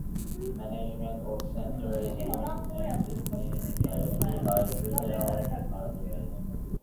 Management of center is appointed and dismissed directly by the President of Azerbaijan.